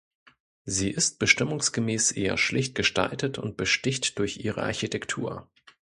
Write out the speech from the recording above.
Sie ist bestimmungsgemäß eher schlicht gestaltet und besticht durch ihre Architektur.